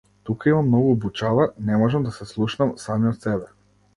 Тука има многу бучава, не можам да се слушнам самиот себе.